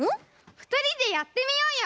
ふたりでやってみようよ！